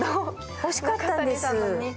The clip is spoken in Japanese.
欲しかったんです。